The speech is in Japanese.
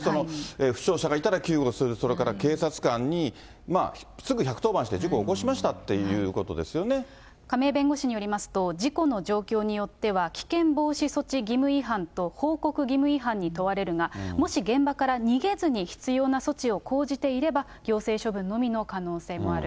負傷者がいたら救護する、それから警察官に、すぐ１１０番して事故を起こしましたっていうことで亀井弁護士によりますと、事故の状況によっては、危険防止措置義務違反と報告義務違反に問われるが、もし現場から逃げずに必要な措置を講じていれば、行政処分のみの可能性もある。